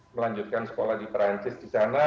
melanjutkan sekolah di perancis di sana